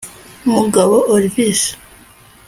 Mugabo Olvis